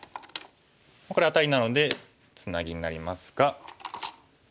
これアタリなのでツナギになりますが。